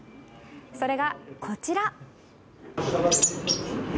それがこちら。